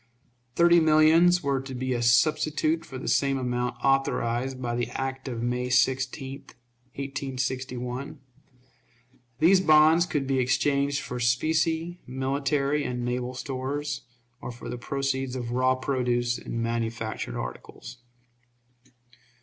Thirty millions were to be a substitute for the same amount, authorized by the act of May 16, 1861. These bonds could be exchanged for specie, military and naval stores, or for the proceeds of raw produce and manufactured articles.